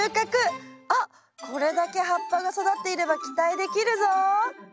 あっこれだけ葉っぱが育っていれば期待できるぞ。